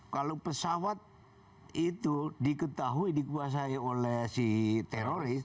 kalau pesawat itu diketahui dikuasai oleh si teroris